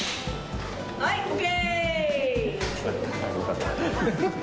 ・・はいＯＫ！